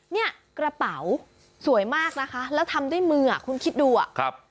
เนี่ยกระเป๋าสวยมากนะคะแล้วทำด้วยมืออ่ะคุณคิดดูอ่ะครับ